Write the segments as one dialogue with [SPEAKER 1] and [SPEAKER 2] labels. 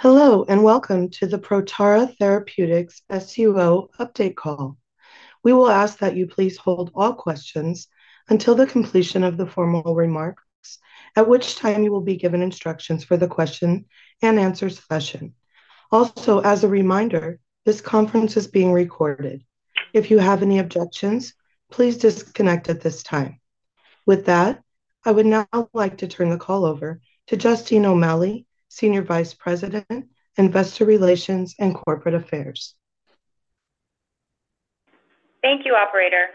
[SPEAKER 1] Hello, and welcome to the Protara Therapeutics SUO update call. We will ask that you please hold all questions until the completion of the formal remarks, at which time you will be given instructions for the question and answer session. Also, as a reminder, this conference is being recorded. If you have any objections, please disconnect at this time. With that, I would now like to turn the call over to Justine O'Malley, Senior Vice President, Investor Relations and Corporate Affairs.
[SPEAKER 2] Thank you, Operator.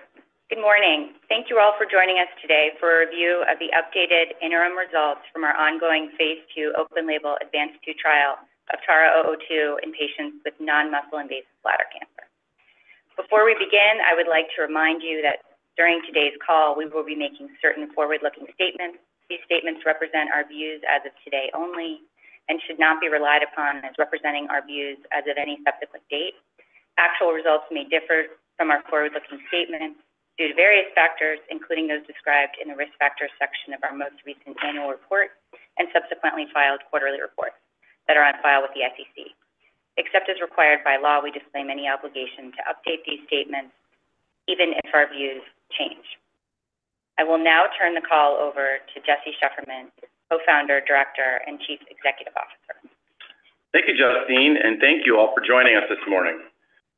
[SPEAKER 2] Good morning. Thank you all for joining us today for a review of the updated interim results from our ongoing Phase II, open-label ADVANCED-2 trial of TARA-002 in patients with non-muscle invasive bladder cancer. Before we begin, I would like to remind you that during today's call, we will be making certain forward-looking statements. These statements represent our views as of today only and should not be relied upon as representing our views as of any subsequent date. Actual results may differ from our forward-looking statements due to various factors, including those described in the risk factor section of our most recent annual report and subsequently filed quarterly reports that are on file with the SEC. Except as required by law, we disclaim any obligations to update these statements, even if our views change. I will now turn the call over to Jesse Shefferman, Co-Founder, Director, and Chief Executive Officer.
[SPEAKER 3] Thank you, Justine, and thank you all for joining us this morning.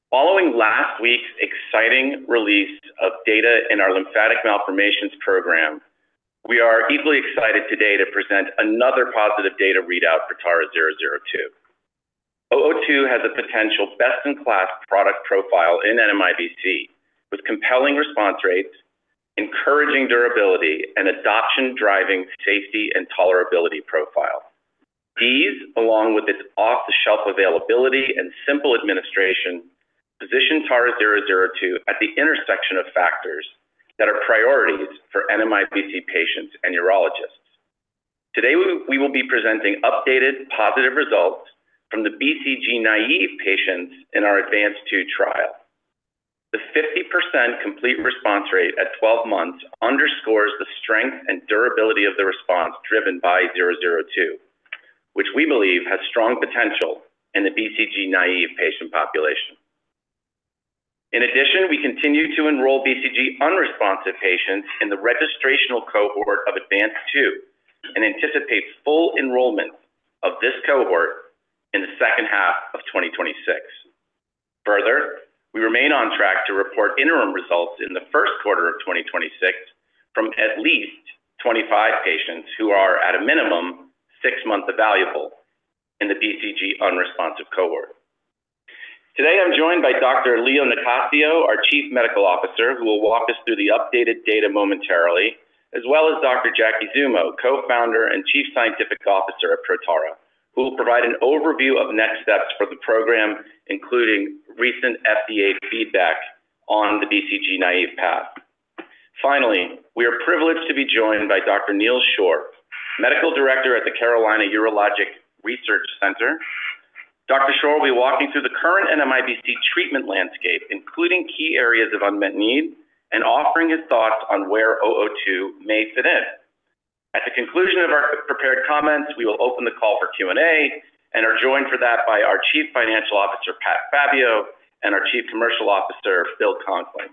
[SPEAKER 3] Following last week's exciting release of data in our lymphatic malformations program, we are equally excited today to present another positive data readout for TARA-002. TARA-002 has a potential best-in-class product profile in NMIBC with compelling response rates, encouraging durability, and adoption-driving safety and tolerability profile. These, along with its off-the-shelf availability and simple administration, position TARA-002 at the intersection of factors that are priorities for NMIBC patients and urologists. Today, we will be presenting updated positive results from the BCG naive patients in our ADVANCED-2 trial. The 50% complete response rate at 12 months underscores the strength and durability of the response driven by TARA-002, which we believe has strong potential in the BCG naive patient population. In addition, we continue to enroll BCG unresponsive patients in the registrational cohort of ADVANCED-2 and anticipate full enrollment of this cohort in the second half of 2026. Further, we remain on track to report interim results in the first quarter of 2026 from at least 25 patients who are at a minimum six months available in the BCG unresponsive cohort. Today, I'm joined by Dr. Leonardo Nicasio, our Chief Medical Officer, who will walk us through the updated data momentarily, as well as Dr. Jacqueline Zummo, Co-Founder and Chief Scientific Officer of Protara, who will provide an overview of next steps for the program, including recent FDA feedback on the BCG naive path. Finally, we are privileged to be joined by Dr. Neal Shore, Medical Director at the Carolina Urologic Research Center. Dr. Shore will be walking through the current NMIBC treatment landscape, including key areas of unmet need, and offering his thoughts on where 002 may fit in. At the conclusion of our prepared comments, we will open the call for Q&A and are joined for that by our Chief Financial Officer, Pat Fabio, and our Chief Commercial Officer, Phil Conklin.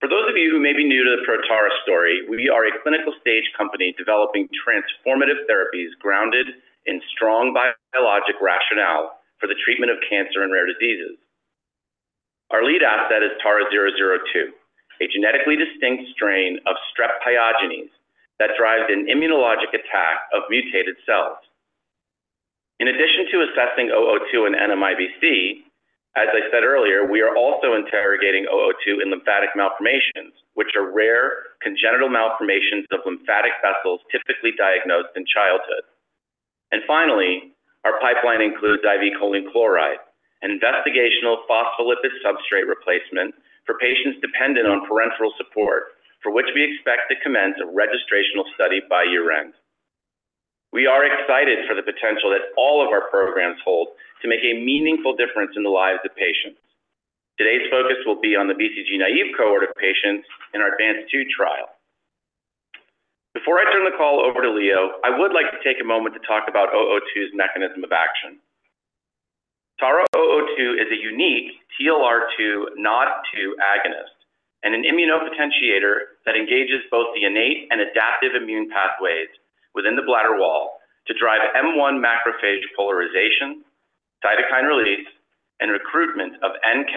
[SPEAKER 3] For those of you who may be new to the Protara story, we are a clinical-stage company developing transformative therapies grounded in strong biologic rationale for the treatment of cancer and rare diseases. Our lead asset is TARA-002, a genetically distinct strain of strep pyogenes that drives an immunologic attack of mutated cells. In addition to assessing 002 in NMIBC, as I said earlier, we are also interrogating 002 in lymphatic malformations, which are rare congenital malformations of lymphatic vessels typically diagnosed in childhood. And finally, our pipeline includes IV choline chloride, an investigational phospholipid substrate replacement for patients dependent on parenteral support, for which we expect to commence a registrational study by year-end. We are excited for the potential that all of our programs hold to make a meaningful difference in the lives of patients. Today's focus will be on the BCG naive cohort of patients in our ADVANCED-2 trial. Before I turn the call over to Leo, I would like to take a moment to talk about 002's mechanism of action. TARA-002 is a unique TLR2 NOD2 agonist and an immunopotentiator that engages both the innate and adaptive immune pathways within the bladder wall to drive M1 macrophage polarization, cytokine release, and recruitment of NK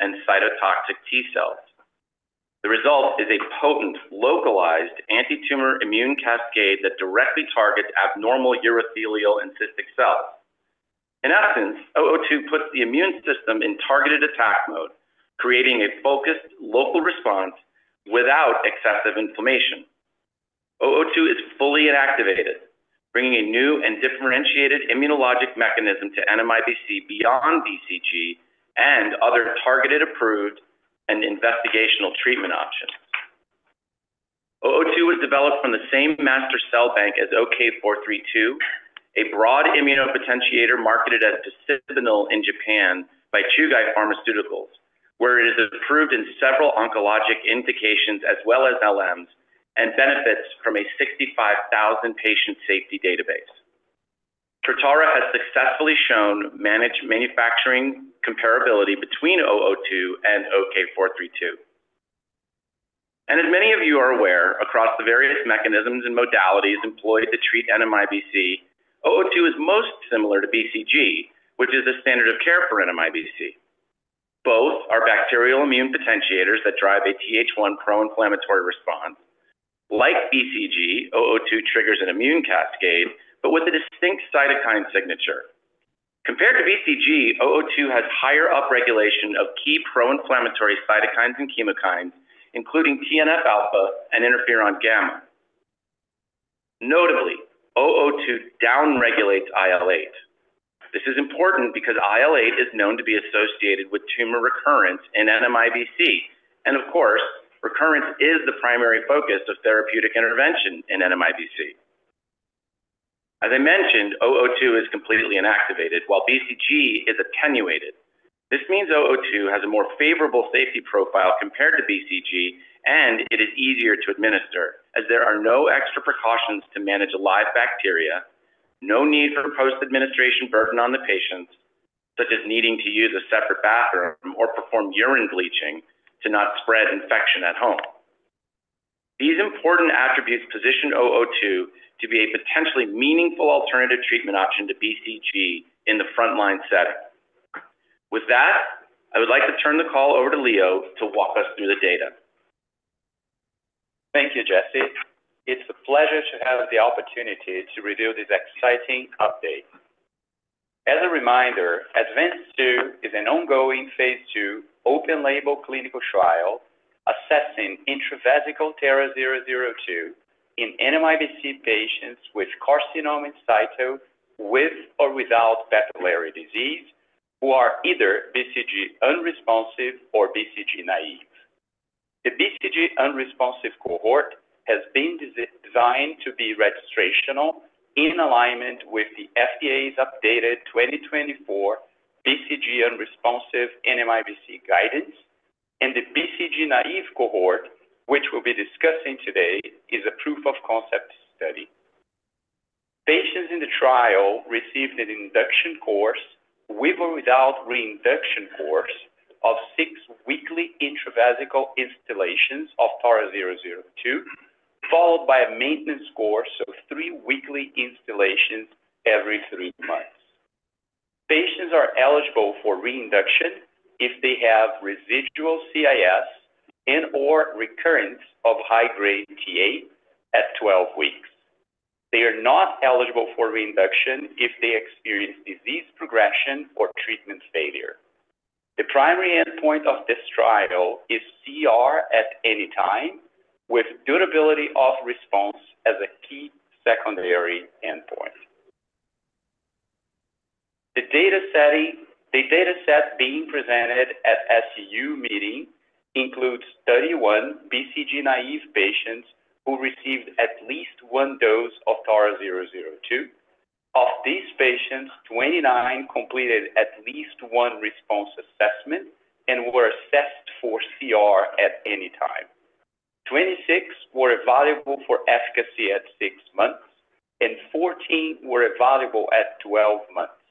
[SPEAKER 3] and cytotoxic T cells. The result is a potent localized anti-tumor immune cascade that directly targets abnormal urothelial and CIS cells. In essence, 002 puts the immune system in targeted attack mode, creating a focused local response without excessive inflammation. 002 is fully inactivated, bringing a new and differentiated immunologic mechanism to NMIBC beyond BCG and other targeted, approved, and investigational treatment options. 002 was developed from the same master cell bank as OK-432, a broad immunopotentiator marketed as Picibanil in Japan by Chugai Pharmaceuticals, where it is approved in several oncologic indications as well as LMs and benefits from a 65,000 patient safety database. Protara has successfully shown manufacturing comparability between 002 and OK-432, and as many of you are aware, across the various mechanisms and modalities employed to treat NMIBC, 002 is most similar to BCG, which is a standard of care for NMIBC. Both are bacterial immune potentiators that drive a Th1 pro-inflammatory response. Like BCG, 002 triggers an immune cascade, but with a distinct cytokine signature. Compared to BCG, 002 has higher upregulation of key pro-inflammatory cytokines and chemokines, including TNF-alpha and interferon gamma. Notably, 002 downregulates IL-8. This is important because IL-8 is known to be associated with tumor recurrence in NMIBC, and of course, recurrence is the primary focus of therapeutic intervention in NMIBC. As I mentioned, 002 is completely inactivated, while BCG is attenuated. This means 002 has a more favorable safety profile compared to BCG, and it is easier to administer as there are no extra precautions to manage a live bacteria, no need for post-administration burden on the patients, such as needing to use a separate bathroom or perform urine bleaching to not spread infection at home. These important attributes position 002 to be a potentially meaningful alternative treatment option to BCG in the frontline setting. With that, I would like to turn the call over to Leo to walk us through the data.
[SPEAKER 4] Thank you, Jesse. It's a pleasure to have the opportunity to review this exciting update. As a reminder, ADVANCED-2 is an ongoing phase II open-label clinical trial assessing intravesical TARA-002 in NMIBC patients with carcinoma in situ, with or without papillary disease, who are either BCG unresponsive or BCG naive. The BCG unresponsive cohort has been designed to be registrational in alignment with the FDA's updated 2024 BCG unresponsive NMIBC guidance, and the BCG naive cohort, which we'll be discussing today, is a proof-of-concept study. Patients in the trial received an induction course, with or without reinduction course, of six weekly intravesical instillations of TARA-002, followed by a maintenance course of three weekly instillations every three months. Patients are eligible for reinduction if they have residual CIS and/or recurrence of high-grade Ta at 12 weeks. They are not eligible for reinduction if they experience disease progression or treatment failure. The primary endpoint of this trial is CR at any time, with durability of response as a key secondary endpoint. The dataset being presented at SUO meeting includes 31 BCG naive patients who received at least one dose of TARA-002. Of these patients, 29 completed at least one response assessment and were assessed for CR at any time. 26 were evaluated for efficacy at six months, and 14 were evaluated at 12 months.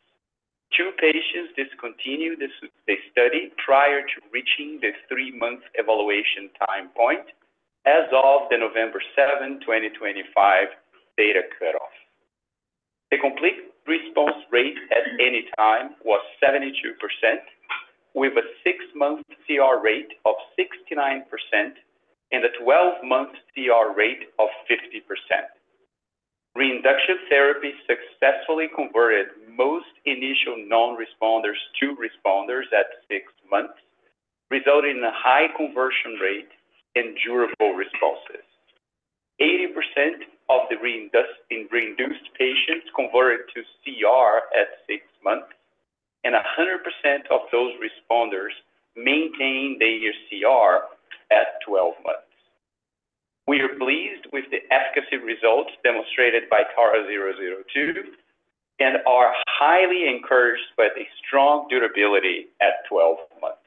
[SPEAKER 4] Two patients discontinued the study prior to reaching the three-month evaluation time point as of the November 7, 2025, data cutoff. The complete response rate at any time was 72%, with a six-month CR rate of 69% and a 12-month CR rate of 50%. Reinduction therapy successfully converted most initial non-responders to responders at six months, resulting in a high conversion rate and durable responses. 80% of the reinduced patients converted to CR at six months, and 100% of those responders maintained their CR at 12 months. We are pleased with the efficacy results demonstrated by TARA-002 and are highly encouraged by the strong durability at 12 months.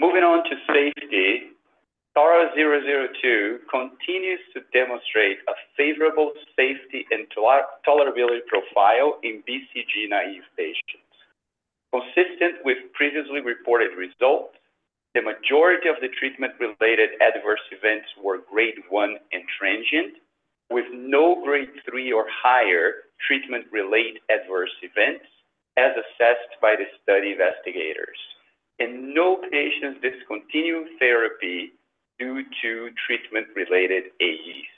[SPEAKER 4] Moving on to safety, TARA-002 continues to demonstrate a favorable safety and tolerability profile in BCG naive patients. Consistent with previously reported results, the majority of the treatment-related adverse events were grade 1 and transient, with no grade 3 or higher treatment-related adverse events as assessed by the study investigators, and no patients discontinued therapy due to treatment-related AEs.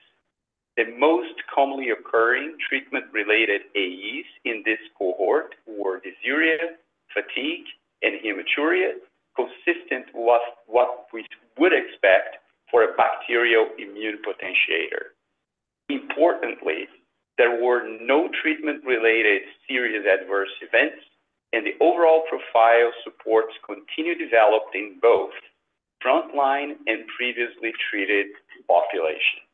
[SPEAKER 4] The most commonly occurring treatment-related AEs in this cohort were dysuria, fatigue, and hematuria, consistent with what we would expect for a bacterial immune potentiator. Importantly, there were no treatment-related serious adverse events, and the overall profile supports continued development in both frontline and previously treated populations.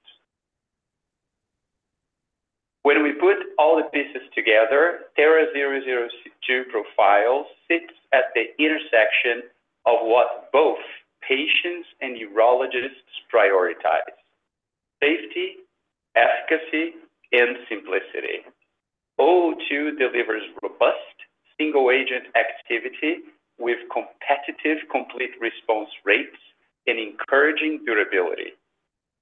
[SPEAKER 4] When we put all the pieces together, TARA-002 profile sits at the intersection of what both patients and urologists prioritize: safety, efficacy, and simplicity. TARA-002 delivers robust single-agent activity with competitive complete response rates and encouraging durability.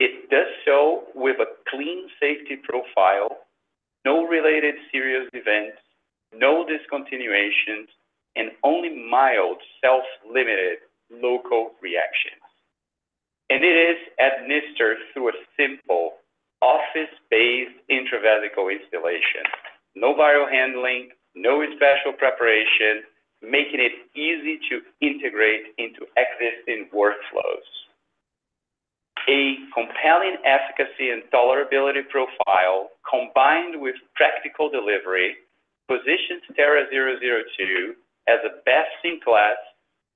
[SPEAKER 4] It does so with a clean safety profile, no related serious events, no discontinuations, and only mild self-limited local reactions, and it is administered through a simple office-based intravesical instillation, no viral handling, no special preparation, making it easy to integrate into existing workflows. A compelling efficacy and tolerability profile combined with practical delivery positions TARA-002 as a best-in-class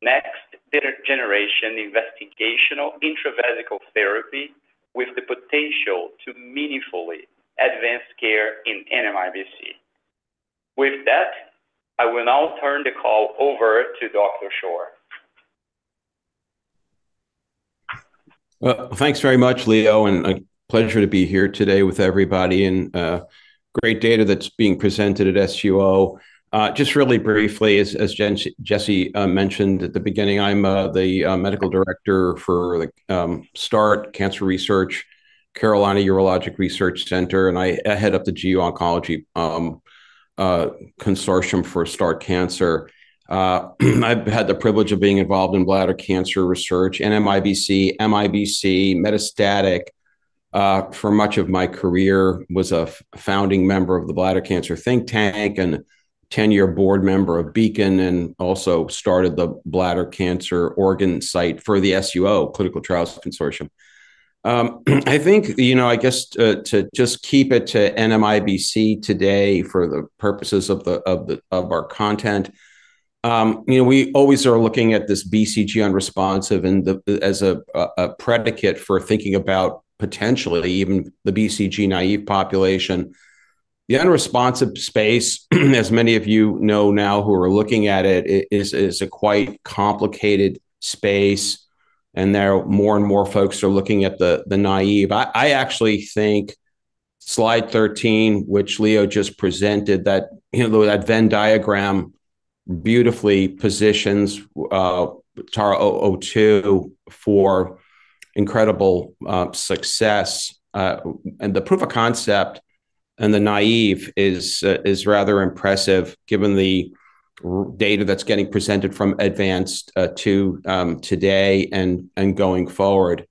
[SPEAKER 4] next-generation investigational intravesical therapy with the potential to meaningfully advance care in NMIBC. With that, I will now turn the call over to Dr. Shore.
[SPEAKER 5] Thanks very much, Leo, and a pleasure to be here today with everybody and great data that's being presented at SUO. Just really briefly, as Jesse mentioned at the beginning, I'm the medical director for the START Center for Cancer Care, Carolina Urologic Research Center, and I head up the GU Oncology Consortium for START Center. I've had the privilege of being involved in bladder cancer research, NMIBC, MIBC, metastatic for much of my career, was a founding member of the Bladder Cancer Think Tank and a 10-year board member of Beacon and also started the Bladder Cancer Organ Site for the SUO Clinical Trials Consortium. I think, you know, I guess to just keep it to NMIBC today for the purposes of our content, we always are looking at this BCG unresponsive as a predicate for thinking about potentially even the BCG naive population. The BCG-unresponsive space, as many of you know now who are looking at it, is a quite complicated space, and there are more and more folks who are looking at the BCG-naïve. I actually think slide 13, which Leo just presented, that Venn diagram beautifully positions TARA-002 for incredible success. The proof of concept in the BCG-naïve is rather impressive given the data that's getting presented from ADVANCED-2 today and going forward.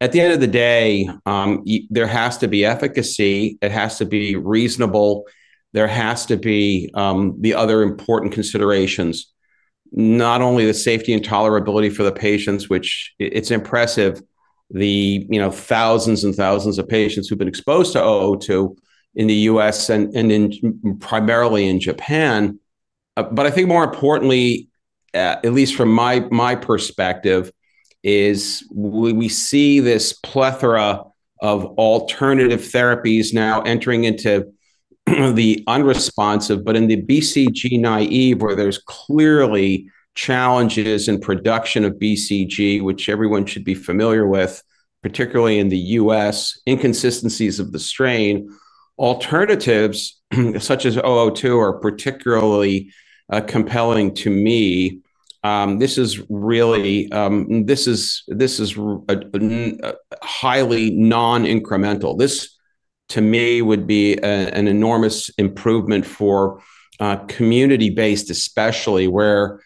[SPEAKER 5] At the end of the day, there has to be efficacy. It has to be reasonable. There has to be the other important considerations, not only the safety and tolerability for the patients, which is impressive, the thousands and thousands of patients who've been exposed to 002 in the U.S., and primarily in Japan. But I think more importantly, at least from my perspective, is we see this plethora of alternative therapies now entering into the BCG-unresponsive, but in the BCG-naive where there's clearly challenges in production of BCG, which everyone should be familiar with, particularly in the U.S., inconsistencies of the strain. Alternatives such as TARA-002 are particularly compelling to me. This is really, this is highly non-incremental. This, to me, would be an enormous improvement for community-based, especially where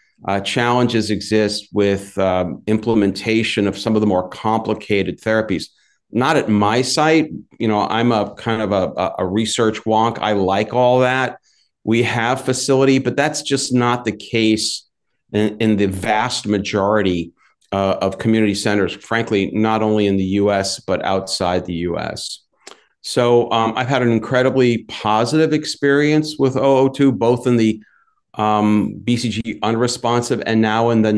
[SPEAKER 5] challenges exist with implementation of some of the more complicated therapies. Not at my site. You know, I'm a kind of a research wonk. I like all that. We have facility, but that's just not the case in the vast majority of community centers, frankly, not only in the U.S., but outside the U.S. So I've had an incredibly positive experience with 002, both in the BCG unresponsive and now in the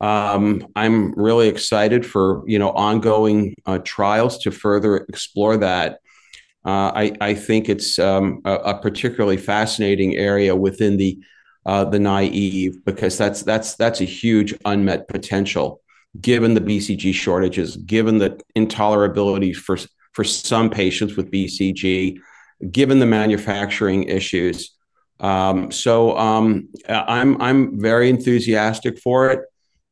[SPEAKER 5] naive. I'm really excited for ongoing trials to further explore that. I think it's a particularly fascinating area within the naive because that's a huge unmet potential given the BCG shortages, given the intolerability for some patients with BCG, given the manufacturing issues. So I'm very enthusiastic for it.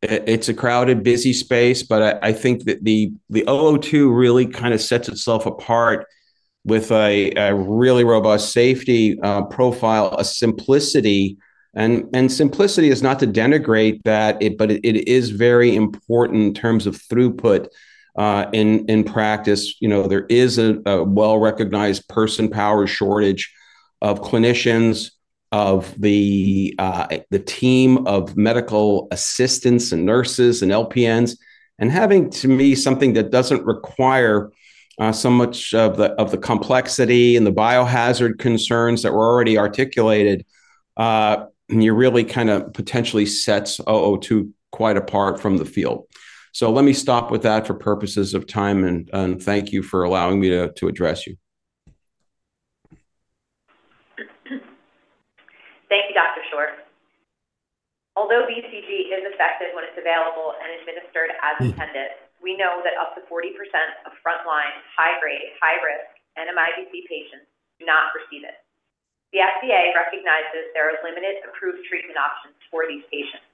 [SPEAKER 5] It's a crowded, busy space, but I think that the 002 really kind of sets itself apart with a really robust safety profile, a simplicity. And simplicity is not to denigrate that, but it is very important in terms of throughput in practice. There is a well-recognized person power shortage of clinicians, of the team of medical assistants and nurses and LPNs, and having, to me, something that doesn't require so much of the complexity and the biohazard concerns that were already articulated, you really kind of potentially sets TARA-002 quite apart from the field. So let me stop with that for purposes of time, and thank you for allowing me to address you.
[SPEAKER 6] Thank you, Dr. Shore. Although BCG is effective when it's available and administered as intended, we know that up to 40% of frontline, high-grade, high-risk NMIBC patients do not receive it. The FDA recognizes there are limited approved treatment options for these patients.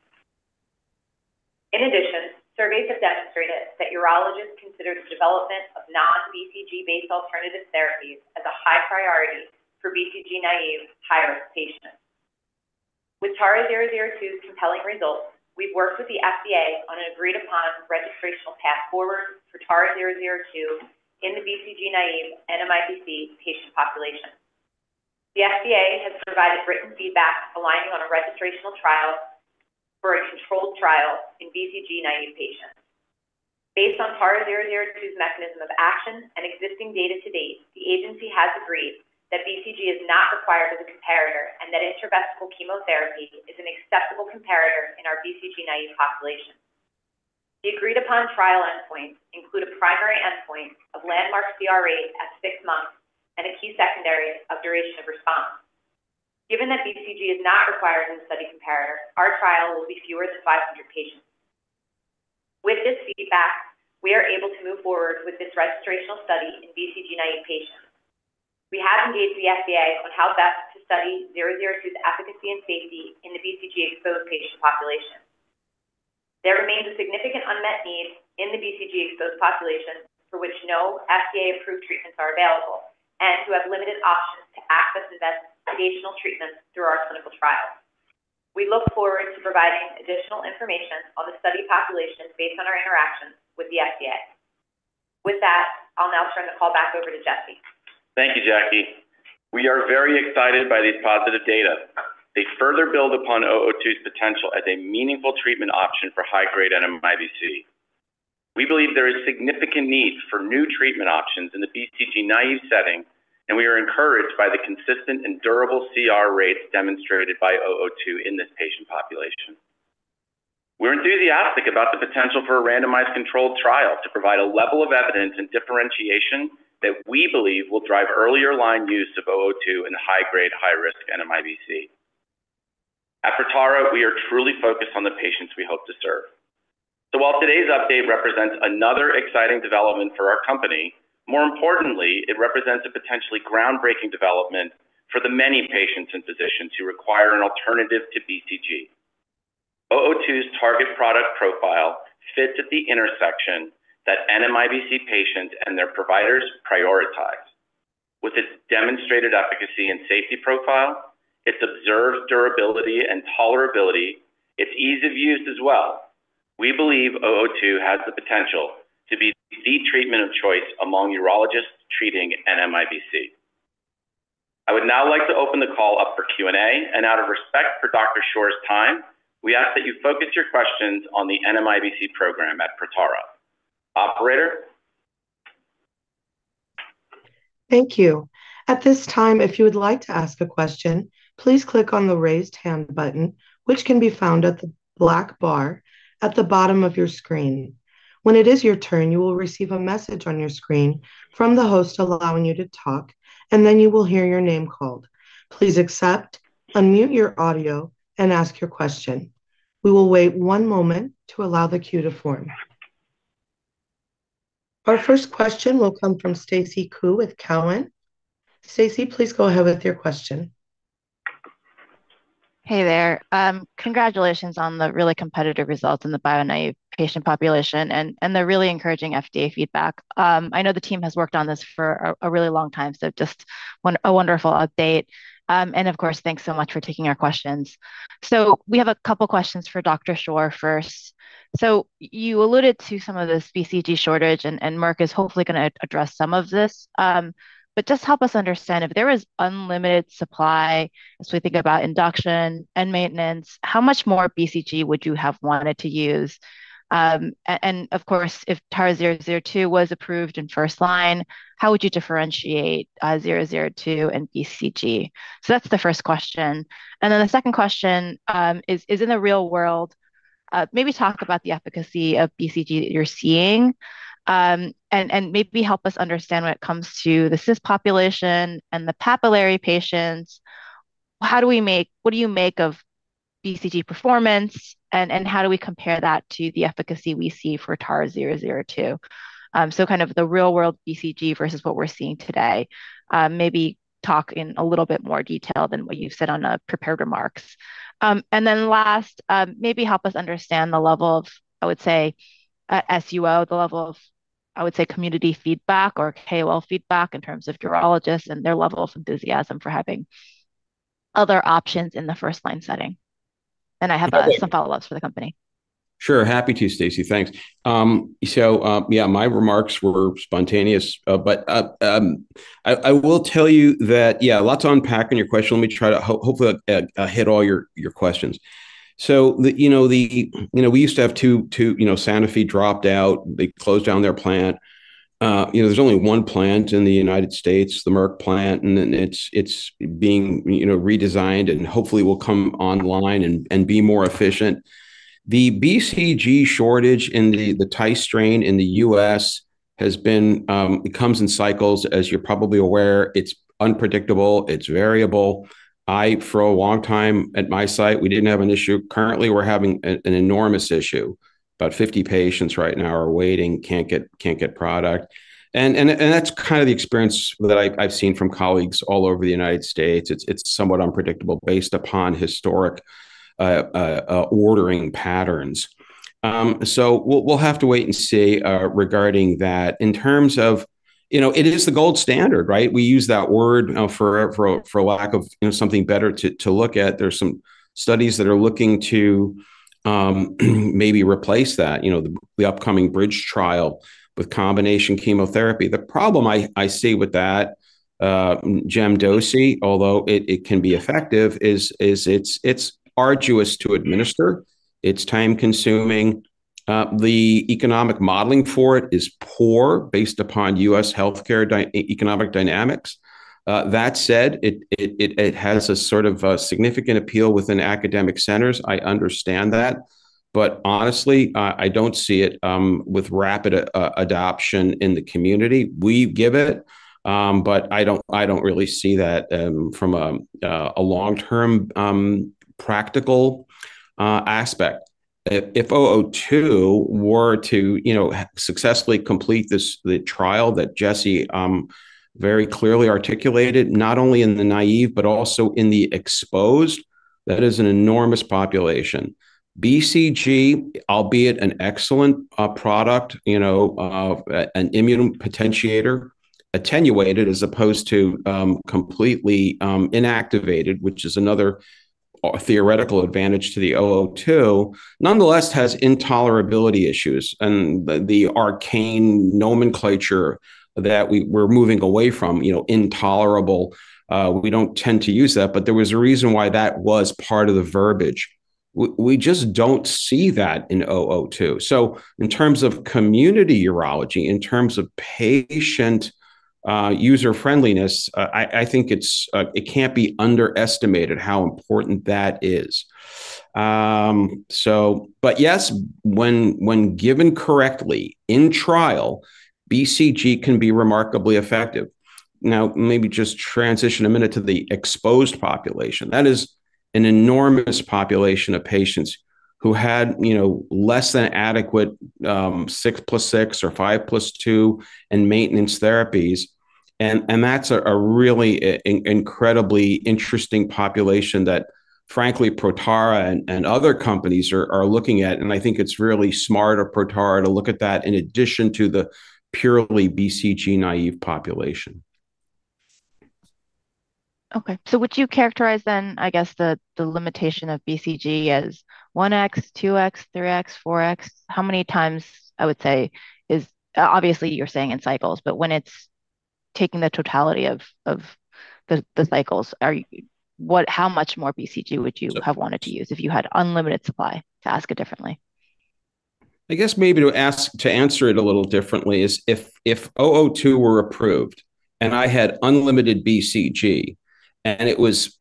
[SPEAKER 6] In addition, surveys have demonstrated that urologists consider the development of non-BCG-based alternative therapies as a high priority for BCG naive high-risk patients. With TARA-002's compelling results, we've worked with the FDA on an agreed-upon registrational path forward for TARA-002 in the BCG naive NMIBC patient population. The FDA has provided written feedback aligning on a registrational trial for a controlled trial in BCG naive patients. Based on TARA-002's mechanism of action and existing data to date, the agency has agreed that BCG is not required as a comparator and that intravesical chemotherapy is an acceptable comparator in our BCG naive population. The agreed-upon trial endpoints include a primary endpoint of landmark CR rate at six months and a key secondary of duration of response. Given that BCG is not required in the study comparator, our trial will be fewer than 500 patients. With this feedback, we are able to move forward with this registrational study in BCG naive patients. We have engaged the FDA on how best to study TARA-002's efficacy and safety in the BCG exposed patient population. There remains a significant unmet need in the BCG exposed population for which no FDA-approved treatments are available and who have limited options to access the best additional treatments through our clinical trial. We look forward to providing additional information on the study population based on our interactions with the FDA. With that, I'll now turn the call back over to Jesse.
[SPEAKER 3] Thank you, Jackie. We are very excited by these positive data. They further build upon 002's potential as a meaningful treatment option for high-grade NMIBC. We believe there is significant need for new treatment options in the BCG naive setting, and we are encouraged by the consistent and durable CR rates demonstrated by 002 in this patient population. We're enthusiastic about the potential for a randomized controlled trial to provide a level of evidence and differentiation that we believe will drive earlier line use of 002 in high-grade, high-risk NMIBC. At Protara, we are truly focused on the patients we hope to serve. So while today's update represents another exciting development for our company, more importantly, it represents a potentially groundbreaking development for the many patients and physicians who require an alternative to BCG. 002's target product profile fits at the intersection that NMIBC patients and their providers prioritize. With its demonstrated efficacy and safety profile, its observed durability and tolerability, its ease of use as well, we believe TARA-002 has the potential to be the treatment of choice among urologists treating NMIBC. I would now like to open the call up for Q&A, and out of respect for Dr. Shore's time, we ask that you focus your questions on the NMIBC program at Protara. Operator?
[SPEAKER 1] Thank you. At this time, if you would like to ask a question, please click on the raised hand button, which can be found at the black bar at the bottom of your screen. When it is your turn, you will receive a message on your screen from the host allowing you to talk, and then you will hear your name called. Please accept, unmute your audio, and ask your question. We will wait one moment to allow the queue to form. Our first question will come from Stacy Ku with Cowen. Stacy, please go ahead with your question.
[SPEAKER 7] Hey there. Congratulations on the really competitive results in the BCG-naive patient population and the really encouraging FDA feedback. I know the team has worked on this for a really long time, so just a wonderful update. And of course, thanks so much for taking our questions. So we have a couple of questions for Dr. Shore first. So you alluded to some of this BCG shortage, and Mark is hopefully going to address some of this. But just help us understand if there was unlimited supply as we think about induction and maintenance, how much more BCG would you have wanted to use? And of course, if TARA-002 was approved in first line, how would you differentiate TARA-002 and BCG? So that's the first question. And then the second question is, in the real world, maybe talk about the efficacy of BCG that you're seeing and maybe help us understand when it comes to the CIS population and the papillary patients. What do you make of BCG performance, and how do we compare that to the efficacy we see for TARA-002? So kind of the real-world BCG versus what we're seeing today. Maybe talk in a little bit more detail than what you've said on the prepared remarks. And then last, maybe help us understand the level of, I would say, SUO, the level of, I would say, community feedback or KOL feedback in terms of urologists and their level of enthusiasm for having other options in the first-line setting. And I have some follow-ups for the company.
[SPEAKER 5] Sure. Happy to, Stacy. Thanks. So yeah, my remarks were spontaneous, but I will tell you that, yeah, lots to unpack in your question. Let me try to hopefully hit all your questions. So we used to have two. Sanofi dropped out. They closed down their plant. There's only one plant in the United States, the Merck plant, and it's being redesigned and hopefully will come online and be more efficient. The BCG shortage in the Tice strain in the U.S., has been. It comes in cycles, as you're probably aware. It's unpredictable. It's variable. For a long time at my site, we didn't have an issue. Currently, we're having an enormous issue. About 50 patients right now are waiting, can't get product. And that's kind of the experience that I've seen from colleagues all over the United States. It's somewhat unpredictable based upon historic ordering patterns. So we'll have to wait and see regarding that. In terms of, it is the gold standard, right? We use that word for a lack of something better to look at. There's some studies that are looking to maybe replace that, the upcoming BRIDGE trial with combination chemotherapy. The problem I see with that, GemDoce, although it can be effective, is it's arduous to administer. It's time-consuming. The economic modeling for it is poor based upon U.S., healthcare economic dynamics. That said, it has a sort of significant appeal within academic centers. I understand that. But honestly, I don't see it with rapid adoption in the community. We give it, but I don't really see that from a long-term practical aspect. If 002 were to successfully complete the trial that Jesse very clearly articulated, not only in the naive, but also in the exposed, that is an enormous population. BCG, albeit an excellent product, an immune potentiator, attenuated as opposed to completely inactivated, which is another theoretical advantage to the 002, nonetheless has intolerability issues and the arcane nomenclature that we're moving away from, intolerable. We don't tend to use that, but there was a reason why that was part of the verbiage. We just don't see that in 002. So in terms of community urology, in terms of patient user-friendliness, I think it can't be underestimated how important that is. But yes, when given correctly in trial, BCG can be remarkably effective. Now, maybe just transition a minute to the exposed population. That is an enormous population of patients who had less than adequate six plus six or five plus two and maintenance therapies, and that's a really incredibly interesting population that, frankly, Protara and other companies are looking at. And I think it's really smarter Protara to look at that in addition to the purely BCG naive population.
[SPEAKER 7] Okay. So would you characterize then, I guess, the limitation of BCG as 1x, 2x, 3x, 4x? How many times, I would say, obviously you're saying in cycles, but when it's taking the totality of the cycles, how much more BCG would you have wanted to use if you had unlimited supply? To ask it differently.
[SPEAKER 5] I guess maybe to answer it a little differently is if 002 were approved and I had unlimited BCG and it was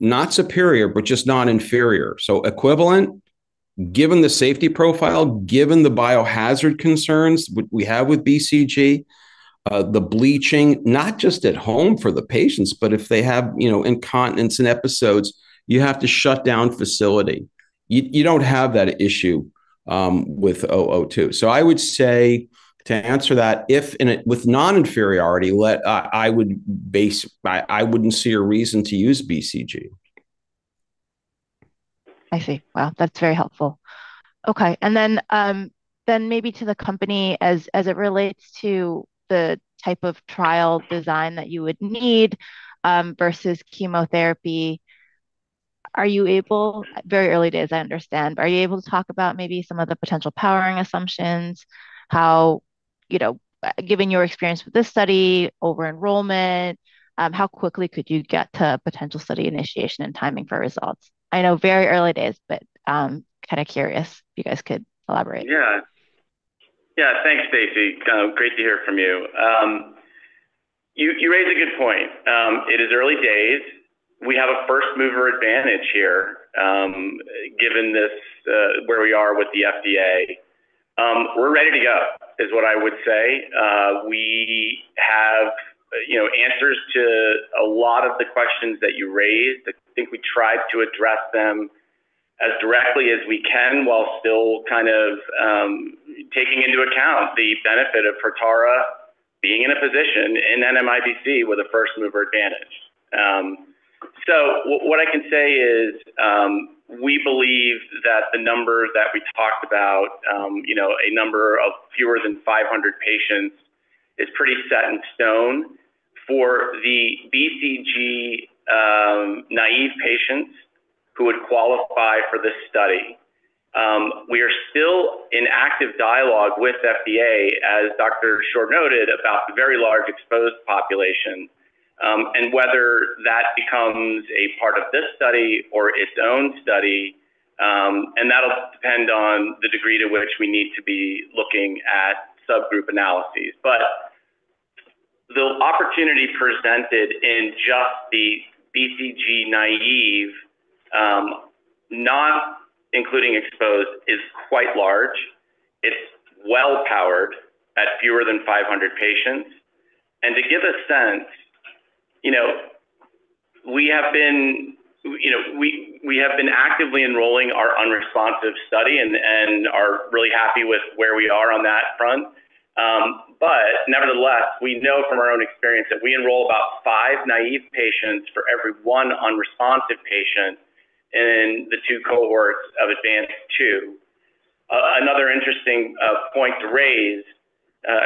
[SPEAKER 5] not superior, but just not inferior. So equivalent, given the safety profile, given the biohazard concerns we have with BCG, the bleaching, not just at home for the patients, but if they have incontinence and episodes, you have to shut down facility. You don't have that issue with 002. So I would say to answer that, with non-inferiority, I wouldn't see a reason to use BCG.
[SPEAKER 7] I see. Wow, that's very helpful. Okay, and then maybe to the company, as it relates to the type of trial design that you would need versus chemotherapy, are you able, very early days, I understand, but are you able to talk about maybe some of the potential powering assumptions, given your experience with this study over enrollment, how quickly could you get to potential study initiation and timing for results? I know very early days, but kind of curious if you guys could elaborate.
[SPEAKER 3] Yeah. Yeah. Thanks, Stacy. Great to hear from you. You raise a good point. It is early days. We have a first-mover advantage here given where we are with the FDA. We're ready to go, is what I would say. We have answers to a lot of the questions that you raised. I think we tried to address them as directly as we can while still kind of taking into account the benefit of Protara being in a position in NMIBC with a first-mover advantage. So what I can say is we believe that the number that we talked about, a number of fewer than 500 patients, is pretty set in stone for the BCG naive patients who would qualify for this study. We are still in active dialogue with FDA, as Dr. Shore noted about the very large exposed population and whether that becomes a part of this study or its own study. And that'll depend on the degree to which we need to be looking at subgroup analyses. But the opportunity presented in just the BCG naive, not including exposed, is quite large. It's well-powered at fewer than 500 patients. And to give a sense, we have been actively enrolling our unresponsive study and are really happy with where we are on that front. But nevertheless, we know from our own experience that we enroll about five naive patients for every one unresponsive patient in the two cohorts of ADVANCED-2. Another interesting point to raise,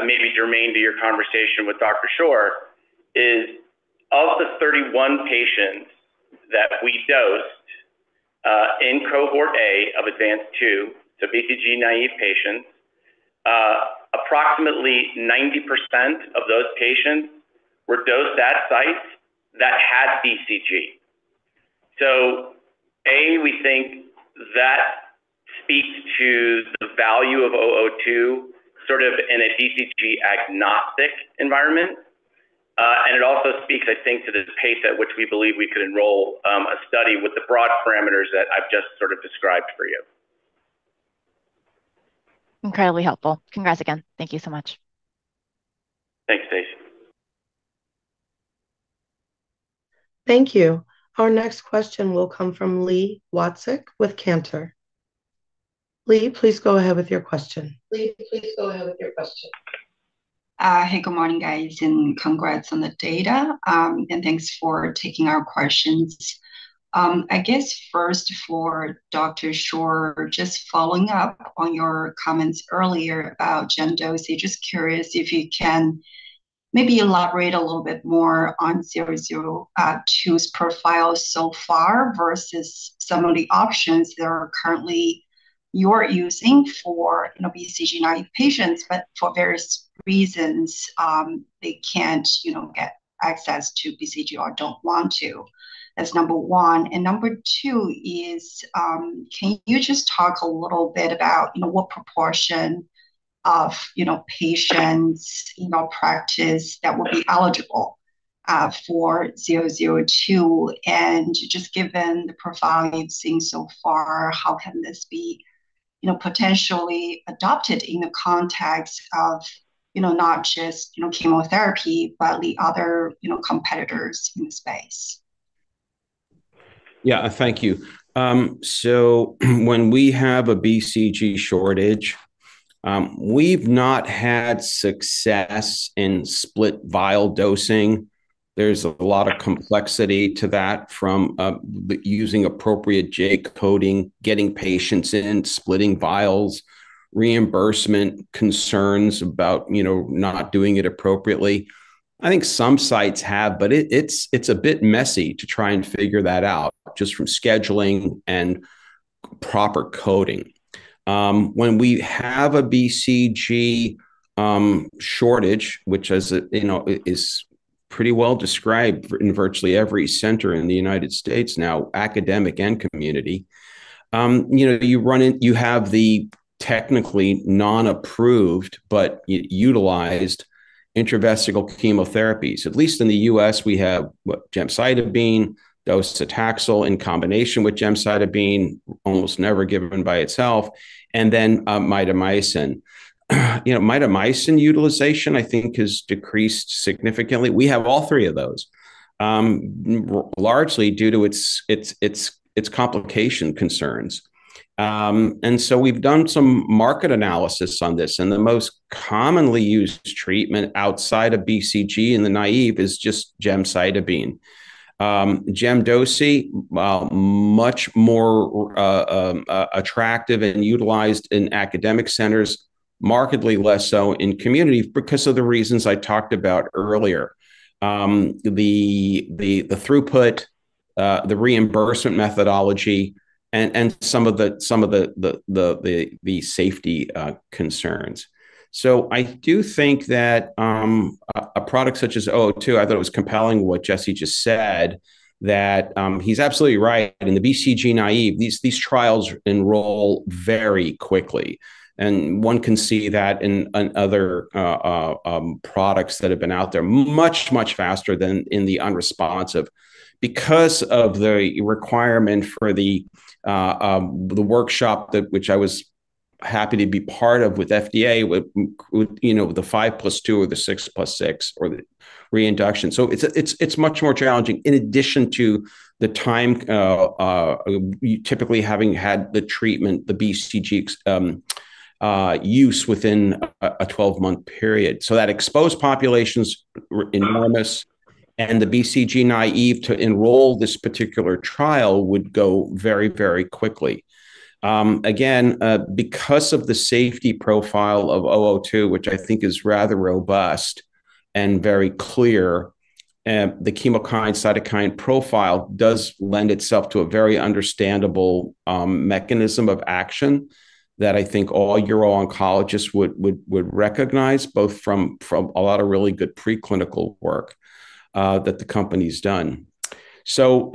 [SPEAKER 3] maybe germane to your conversation with Dr. Shore, of the 31 patients that we dosed in cohort A of ADVANCED-2 to BCG-naive patients, approximately 90% of those patients were dosed at sites that had BCG. So, a, we think that speaks to the value of TARA-002 sort of in a BCG-agnostic environment. And it also speaks, I think, to the pace at which we believe we could enroll a study with the broad parameters that I've just sort of described for you.
[SPEAKER 7] Incredibly helpful. Congrats again. Thank you so much.
[SPEAKER 3] Thanks, Stacy.
[SPEAKER 1] Thank you. Our next question will come from Li Watsek with Cantor Fitzgerald. Li, please go ahead with your question.
[SPEAKER 3] Lee, please go ahead with your question.
[SPEAKER 8] Hey, good morning, guys, and congrats on the data, and thanks for taking our questions. I guess first for Dr. Shore, just following up on your comments earlier about GemDoce, just curious if you can maybe elaborate a little bit more on 002's profile so far versus some of the options that are currently you're using for BCG naive patients, but for various reasons, they can't get access to BCG or don't want to. That's number one. And number two is, can you just talk a little bit about what proportion of patients' practice that would be eligible for 002? And just given the profile you've seen so far, how can this be potentially adopted in the context of not just chemotherapy, but the other competitors in the space?
[SPEAKER 5] Yeah, thank you. So when we have a BCG shortage, we've not had success in split vial dosing. There's a lot of complexity to that from using appropriate J coding, getting patients in, splitting vials, reimbursement, concerns about not doing it appropriately. I think some sites have, but it's a bit messy to try and figure that out just from scheduling and proper coding. When we have a BCG shortage, which is pretty well described in virtually every center in the United States now, academic and community, you have the technically non-approved but utilized intravesical chemotherapies. At least in the U.S., we have gemcitabine, docetaxel in combination with gemcitabine, almost never given by itself, and then mitomycin. Mitomycin utilization, I think, has decreased significantly. We have all three of those, largely due to its complication concerns. And so we've done some market analysis on this. And the most commonly used treatment outside of BCG in the BCG-naive is just gemcitabine. Jemdosi, much more attractive and utilized in academic centers, markedly less so in community because of the reasons I talked about earlier, the throughput, the reimbursement methodology, and some of the safety concerns. So I do think that a product such as 002, I thought it was compelling what Jesse just said, that he's absolutely right. In the BCG-naive, these trials enroll very quickly. And one can see that in other products that have been out there much, much faster than in the BCG-unresponsive because of the requirement for the workshop, which I was happy to be part of with FDA, with the 5 plus 2 or the 6 plus 6 or the reinduction. So, it's much more challenging in addition to the time typically having had the treatment, the BCG use within a 12-month period. So, that exposed population's enormous, and the BCG naive to enroll this particular trial would go very, very quickly. Again, because of the safety profile of 002, which I think is rather robust and very clear, the chemokine-cytokine profile does lend itself to a very understandable mechanism of action that I think all urologists would recognize, both from a lot of really good preclinical work that the company's done. So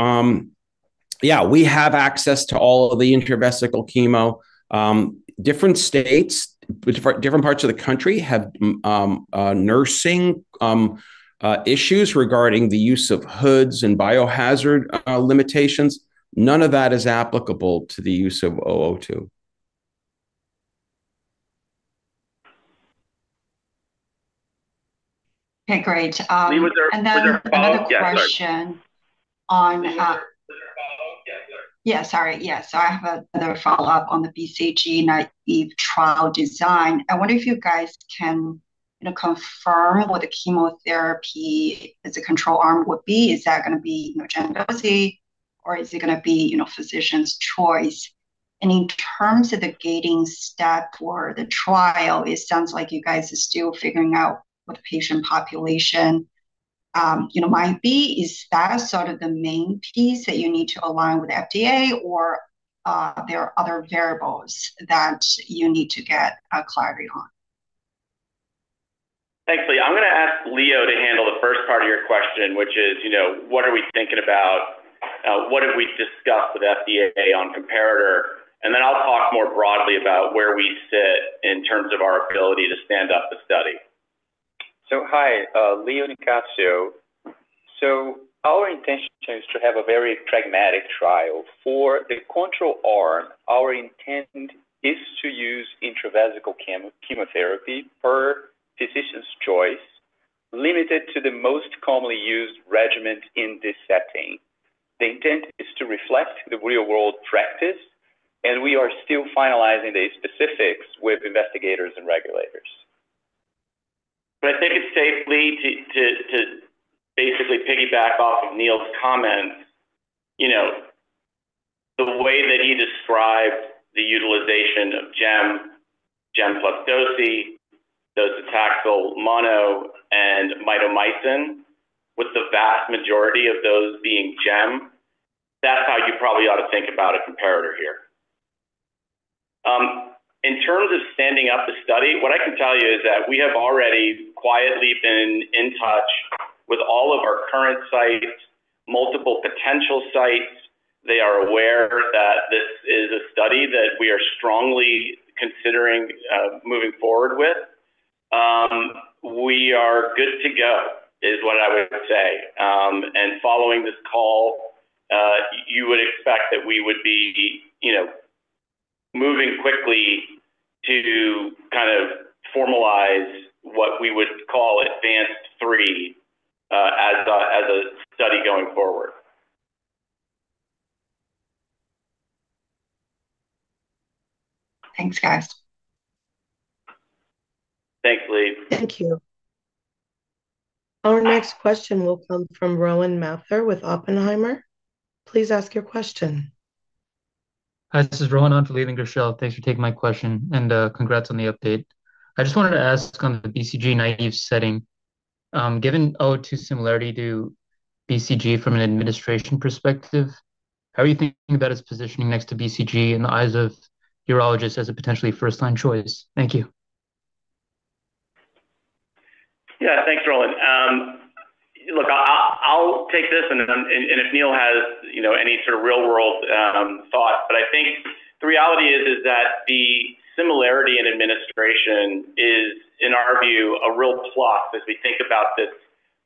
[SPEAKER 5] yeah, we have access to all of the intravesical chemo. Different states, different parts of the country have nursing issues regarding the use of HUDs and biohazard limitations. None of that is applicable to the use of 002.
[SPEAKER 8] Okay, great, and then another question on. Yeah, sorry. Yeah. So I have another follow-up on the BCG naive trial design. I wonder if you guys can confirm what the chemotherapy as a control arm would be. Is that going to be GemDoce, or is it going to be physician's choice? And in terms of the gating step for the trial, it sounds like you guys are still figuring out what the patient population might be. Is that sort of the main piece that you need to align with FDA, or are there other variables that you need to get clarity on?
[SPEAKER 3] Thanks, Lee. I'm going to ask Leo to handle the first part of your question, which is, what are we thinking about? What have we discussed with FDA on comparator? And then I'll talk more broadly about where we sit in terms of our ability to stand up the study.
[SPEAKER 4] Hi, Leonardo Nicasio. Our intention is to have a very pragmatic trial. For the control arm, our intent is to use intravesical chemotherapy per physician's choice, limited to the most commonly used regimen in this setting. The intent is to reflect the real-world practice, and we are still finalizing the specifics with investigators and regulators.
[SPEAKER 3] But I think it's safe, Lee, to basically piggyback off of Neal's comments, the way that he described the utilization of Jem, Jem plus dosi, docetaxel, mono, and mitomycin, with the vast majority of those being Jem. That's how you probably ought to think about a comparator here. In terms of standing up the study, what I can tell you is that we have already quietly been in touch with all of our current sites, multiple potential sites. They are aware that this is a study that we are strongly considering moving forward with. We are good to go, is what I would say. Following this call, you would expect that we would be moving quickly to kind of formalize what we would call advanced three as a study going forward.
[SPEAKER 8] Thanks, guys.
[SPEAKER 3] Thanks, Lee.
[SPEAKER 1] Thank you. Our next question will come from Rowan Mathur with Oppenheimer. Please ask your question.
[SPEAKER 9] Hi, this is Rowan Anthony from Guggenheim. Thanks for taking my question. Congrats on the update. I just wanted to ask on the BCG naive setting, given 002's similarity to BCG from an administration perspective, how are you thinking about its positioning next to BCG in the eyes of urologists as a potentially first-line choice? Thank you.
[SPEAKER 3] Yeah, thanks, Rowan. Look, I'll take this, and if Neal has any sort of real-world thoughts. But I think the reality is that the similarity in administration is, in our view, a real plus as we think about this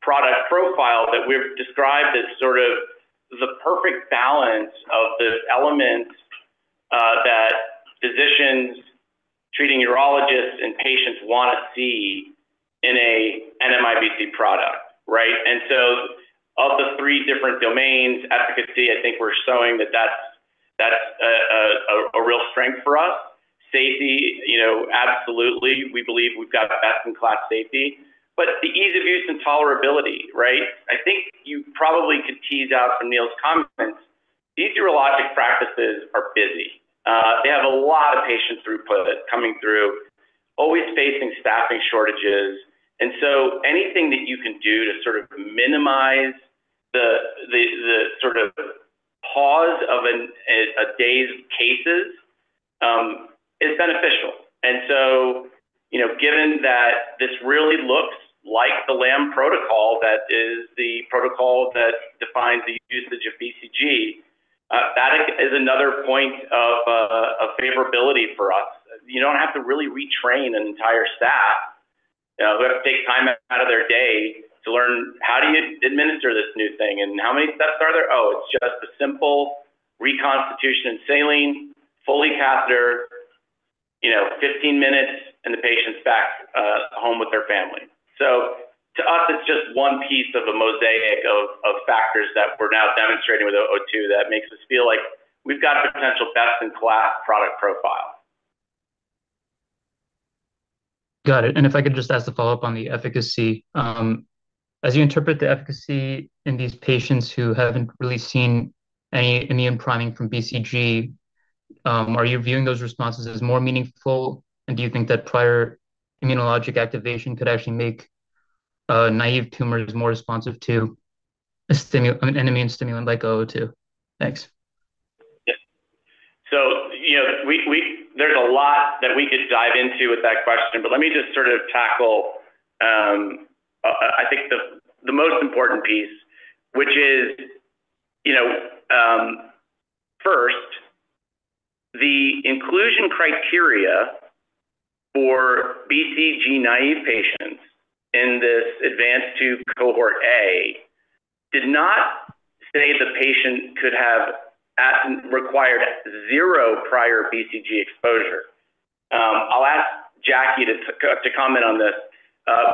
[SPEAKER 3] product profile that we've described as sort of the perfect balance of the elements that physicians, treating urologists, and patients want to see in an NMIBC product, right? And so of the three different domains, efficacy, I think we're showing that that's a real strength for us. Safety, absolutely. We believe we've got best-in-class safety. But the ease of use and tolerability, right? I think you probably could tease out from Neal's comments, these urologic practices are busy. They have a lot of patient throughput coming through, always facing staffing shortages. And so anything that you can do to sort of minimize the sort of pause of a day's cases is beneficial. And so given that this really looks like the same protocol that is the protocol that defines the usage of BCG, that is another point of favorability for us. You don't have to really retrain an entire staff. You have to take time out of their day to learn how do you administer this new thing and how many steps are there? Oh, it's just a simple reconstitution in saline via catheter, 15 minutes, and the patient's back home with their family. So to us, it's just one piece of a mosaic of factors that we're now demonstrating with 002 that makes us feel like we've got a potential best-in-class product profile.
[SPEAKER 9] Got it. And if I could just ask a follow-up on the efficacy. As you interpret the efficacy in these patients who haven't really seen any imprinting from BCG, are you viewing those responses as more meaningful? And do you think that prior immunologic activation could actually make naive tumors more responsive to an immune stimulant like 002? Thanks.
[SPEAKER 3] Yeah. So there's a lot that we could dive into with that question, but let me just sort of tackle, I think, the most important piece, which is first, the inclusion criteria for BCG-naive patients in this ADVANCED-2 Cohort A did not say the patient could have required zero prior BCG exposure. I'll ask Jackie to comment on this.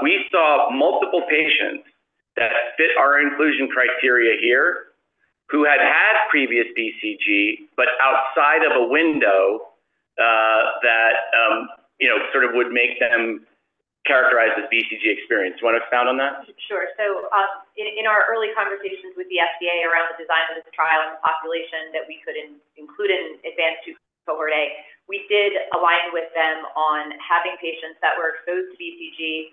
[SPEAKER 3] We saw multiple patients that fit our inclusion criteria here who had had previous BCG, but outside of a window that sort of would make them characterized as BCG-experienced. You want to expand on that?
[SPEAKER 6] Sure. So in our early conversations with the FDA around the design of this trial and the population that we could include in ADVANCED-2 cohort A, we did align with them on having patients that were exposed to BCG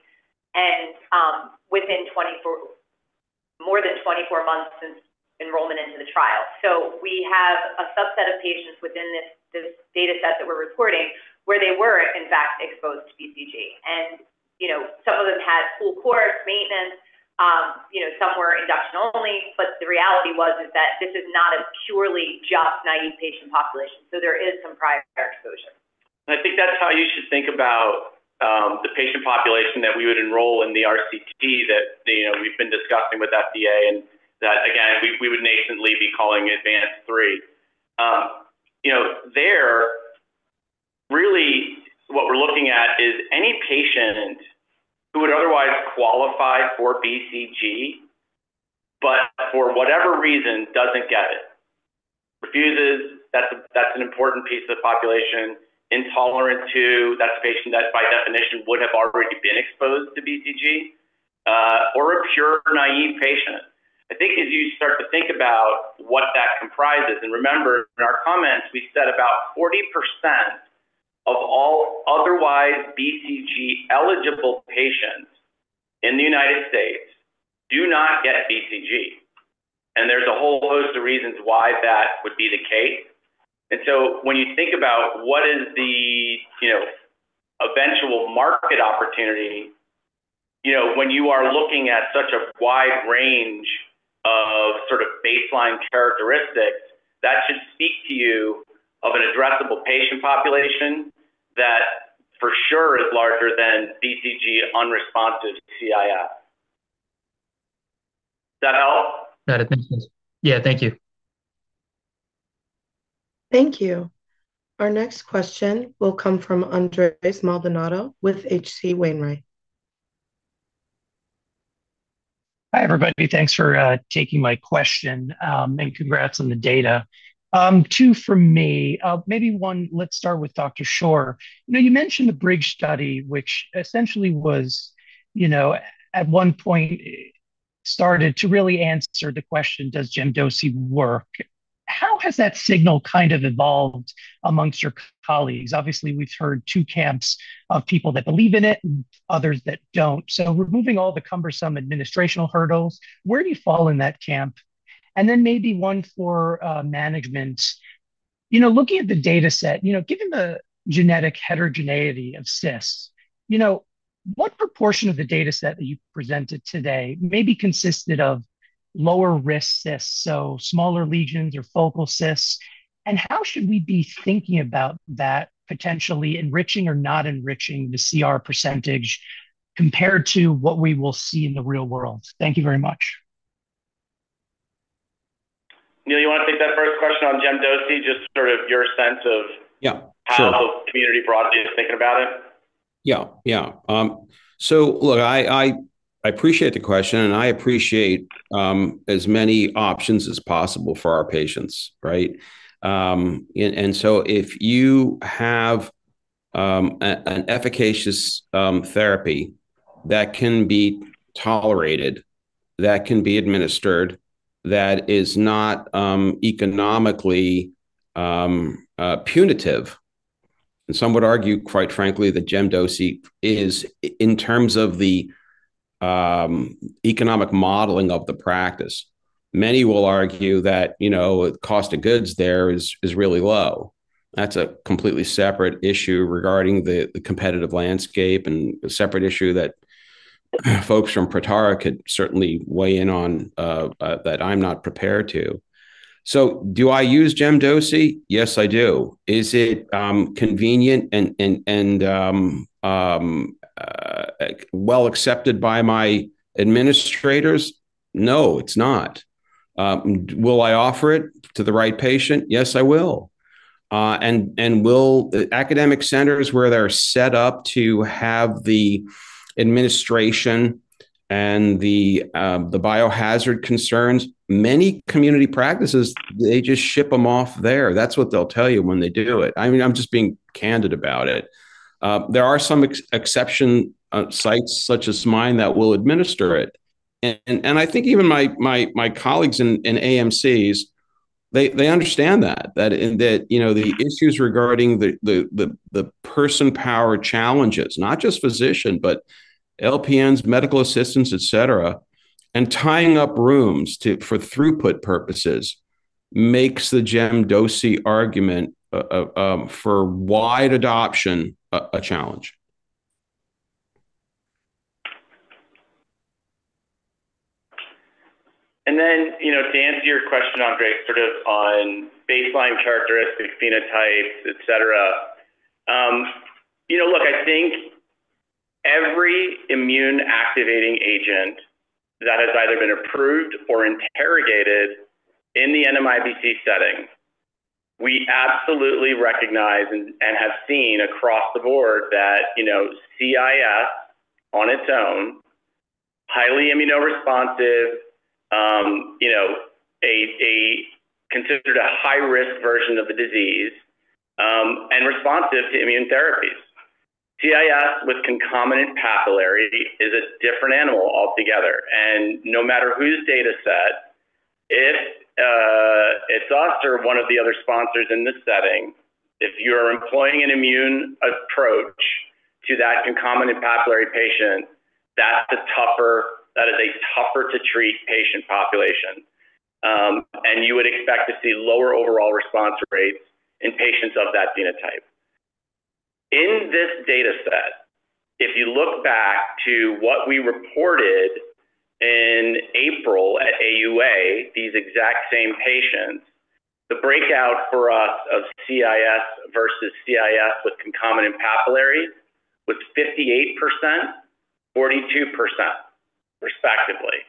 [SPEAKER 6] within more than 24 months since enrollment into the trial. So we have a subset of patients within this dataset that we're reporting where they were, in fact, exposed to BCG. And some of them had full course maintenance. Some were induction only. But the reality was that this is not a purely just naive patient population. So there is some prior exposure.
[SPEAKER 3] I think that's how you should think about the patient population that we would enroll in the RCT that we've been discussing with FDA and that, again, we would nascently be calling advanced three. There, really, what we're looking at is any patient who would otherwise qualify for BCG, but for whatever reason doesn't get it or refuses. That's an important piece of the population. Intolerant to that. That's a patient that, by definition, would have already been exposed to BCG or a pure naive patient. I think as you start to think about what that comprises, and remember, in our comments, we said about 40% of all otherwise BCG eligible patients in the United States do not get BCG. And there's a whole host of reasons why that would be the case. And so when you think about what is the eventual market opportunity, when you are looking at such a wide range of sort of baseline characteristics, that should speak to you of an addressable patient population that for sure is larger than BCG unresponsive CIS. Does that help?
[SPEAKER 9] Got it. Thanks, guys. Yeah, thank you.
[SPEAKER 1] Thank you. Our next question will come from Andres Maldonado with H.C. Wainwright.
[SPEAKER 10] Hi, everybody. Thanks for taking my question and congrats on the data. Two from me. Maybe one, let's start with Dr. Shore. You mentioned the BRIDGE study, which essentially was at one point started to really answer the question, does Jemdosi work? How has that signal kind of evolved amongst your colleagues? Obviously, we've heard two camps of people that believe in it and others that don't. So removing all the cumbersome administrative hurdles, where do you fall in that camp? And then maybe one for management. Looking at the dataset, given the genetic heterogeneity of cysts, what proportion of the dataset that you presented today maybe consisted of lower-risk cysts, so smaller lesions or focal cysts? And how should we be thinking about that potentially enriching or not enriching the CR percentage compared to what we will see in the real world? Thank you very much.
[SPEAKER 3] Neal, you want to take that first question on GemDoce, just sort of your sense of how the community broadly is thinking about it?
[SPEAKER 5] Yeah. Yeah. So look, I appreciate the question, and I appreciate as many options as possible for our patients, right? And so if you have an efficacious therapy that can be tolerated, that can be administered, that is not economically punitive, and some would argue, quite frankly, that GemDoce is, in terms of the economic modeling of the practice, many will argue that the cost of goods there is really low. That's a completely separate issue regarding the competitive landscape and a separate issue that folks from Protara could certainly weigh in on that I'm not prepared to. So do I use GemDoce? Yes, I do. Is it convenient and well accepted by my administrators? No, it's not. Will I offer it to the right patient? Yes, I will. And will academic centers where they're set up to have the administration and the biohazard concerns? Many community practices, they just ship them off there. That's what they'll tell you when they do it. I mean, I'm just being candid about it. There are some exception sites such as mine that will administer it. And I think even my colleagues in AMCs, they understand that, that the issues regarding the personnel-powered challenges, not just physician, but LPNs, medical assistants, etc., and tying up rooms for throughput purposes makes the GemDoce argument for wide adoption a challenge.
[SPEAKER 3] To answer your question, Andres, sort of on baseline characteristics, phenotypes, etc., look, I think every immune activating agent that has either been approved or investigated in the NMIBC setting, we absolutely recognize and have seen across the board that CIS on its own, highly immunoresponsive, is considered a high-risk version of the disease, and responsive to immune therapies. CIS with concomitant papillary is a different animal altogether. No matter whose dataset, if it's us or one of the other sponsors in this setting, if you're employing an immune approach to that concomitant papillary patient, that is a tougher to treat patient population. You would expect to see lower overall response rates in patients of that phenotype. In this dataset, if you look back to what we reported in April at AUA, these exact same patients, the breakdown for us of CIS versus CIS with concomitant papillary was 58%, 42%, respectively.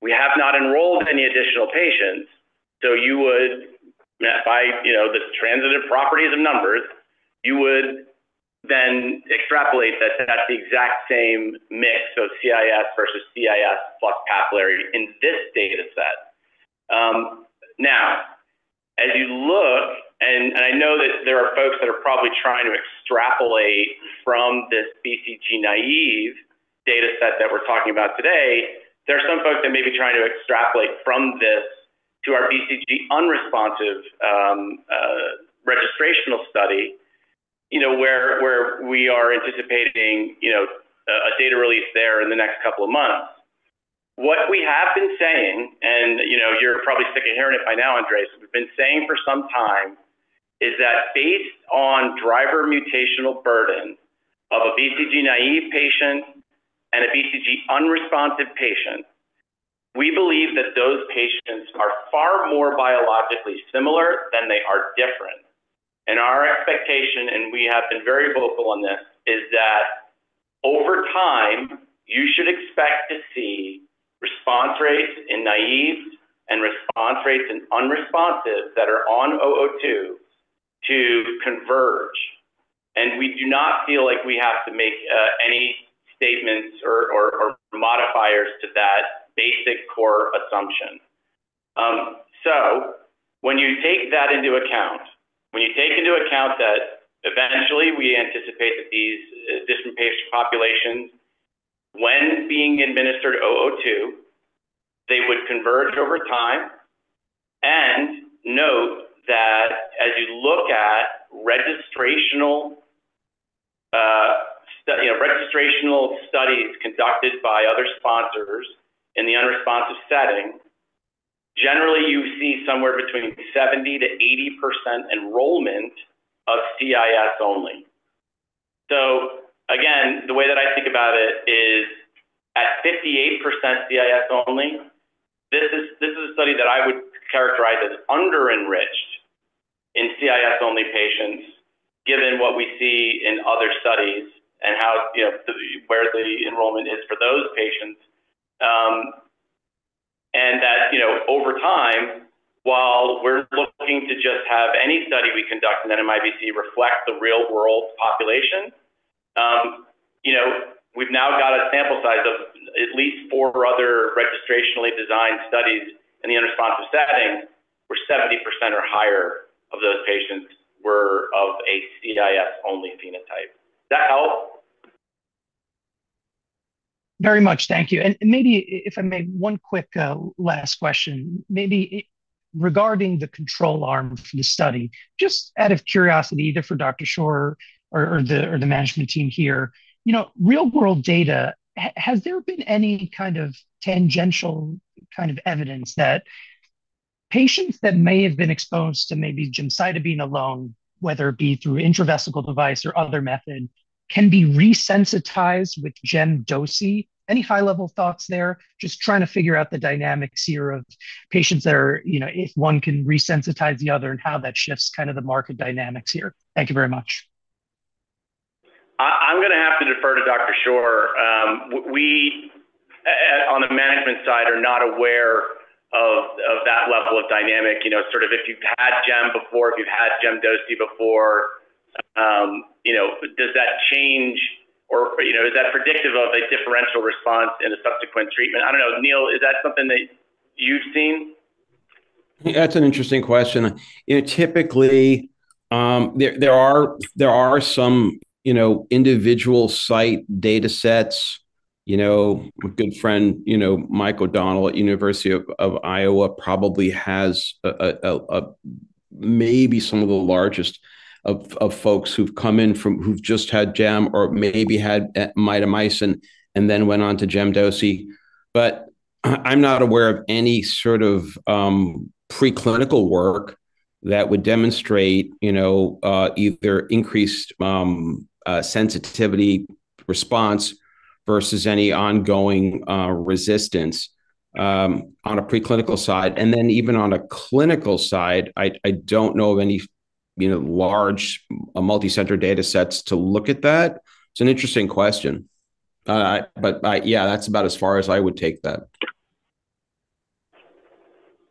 [SPEAKER 3] We have not enrolled any additional patients, so by the transitive properties of numbers, you would then extrapolate that that's the exact same mix of CIS versus CIS plus papillary in this dataset. Now, as you look, and I know that there are folks that are probably trying to extrapolate from this BCG-naive dataset that we're talking about today. There are some folks that may be trying to extrapolate from this to our BCG-unresponsive registrational study, where we are anticipating a data release there in the next couple of months. What we have been saying, and you're probably sick of hearing it by now, Andres, we've been saying for some time is that based on driver mutational burden of a BCG naive patient and a BCG unresponsive patient, we believe that those patients are far more biologically similar than they are different. And our expectation, and we have been very vocal on this, is that over time, you should expect to see response rates in naive and response rates in unresponsive that are on 002 to converge. And we do not feel like we have to make any statements or modifiers to that basic core assumption. So when you take that into account, when you take into account that eventually we anticipate that these different patient populations, when being administered 002, they would converge over time. Note that as you look at registrational studies conducted by other sponsors in the unresponsive setting, generally, you see somewhere between 70%-80% enrollment of CIS-only. So again, the way that I think about it is at 58% CIS-only, this is a study that I would characterize as under-enriched in CIS-only patients given what we see in other studies and where the enrollment is for those patients. And that over time, while we're looking to just have any study we conduct in NMIBC reflect the real-world population, we've now got a sample size of at least four other registrationally designed studies in the unresponsive setting where 70% or higher of those patients were of a CIS-only phenotype. Does that help?
[SPEAKER 10] Very much. Thank you. And maybe if I may, one quick last question, maybe regarding the control arm for the study, just out of curiosity, either for Dr. Shore or the management team here. Real-world data: has there been any kind of tangential kind of evidence that patients that may have been exposed to maybe gemcitabine alone, whether it be through intravesical device or other method, can be resensitized with Jemdosi? Any high-level thoughts there? Just trying to figure out the dynamics here of patients that are, if one can resensitize the other, and how that shifts kind of the market dynamics here. Thank you very much.
[SPEAKER 3] I'm going to have to defer to Dr. Shore. We, on the management side, are not aware of that level of dynamic. Sort of if you've had Gem before, if you've had GemDoce before, does that change or is that predictive of a differential response in a subsequent treatment? I don't know. Neil, is that something that you've seen?
[SPEAKER 5] That's an interesting question. Typically, there are some individual site datasets. My good friend, Michael O'Donnell at University of Iowa, probably has maybe some of the largest of folks who've come in from who've just had Gem or maybe had mitomycin and then went on to GemDoce. But I'm not aware of any sort of preclinical work that would demonstrate either increased sensitivity response versus any ongoing resistance on a preclinical side. And then even on a clinical side, I don't know of any large multicenter datasets to look at that. It's an interesting question. But yeah, that's about as far as I would take that.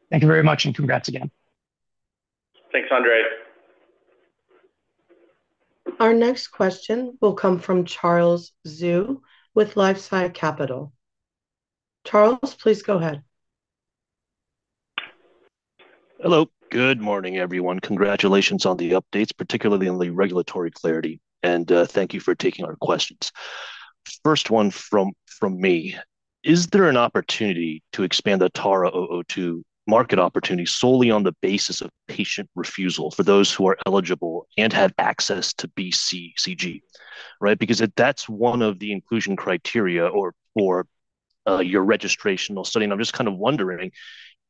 [SPEAKER 10] Thank you very much, and congrats again.
[SPEAKER 3] Thanks, Andres.
[SPEAKER 1] Our next question will come from Charles Zhu with LifeSci Capital. Charles, please go ahead.
[SPEAKER 11] Hello. Good morning, everyone. Congratulations on the updates, particularly on the regulatory clarity, and thank you for taking our questions. First one from me. Is there an opportunity to expand the TARA-002 market opportunity solely on the basis of patient refusal for those who are eligible and have access to BCG, right? Because that's one of the inclusion criteria for your registrational study, and I'm just kind of wondering